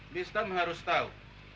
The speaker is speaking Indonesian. mistam harus tahu